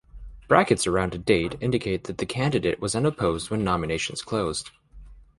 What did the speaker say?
Brackets around a date indicate that the candidate was unopposed when nominations closed.